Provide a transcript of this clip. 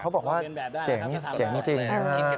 เขาบอกว่าเจ๋งจริงนะครับ